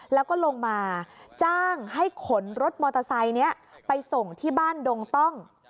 แล้วก็ลงมาจ้างให้ขนรถมอเตอร์ไซค์นี้ไปส่งที่บ้านดงต้อง